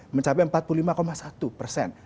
mencapai empat puluh lima satu persen